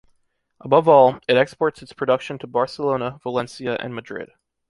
Above all, it exports its production to Barcelona, Valencia and Madrid.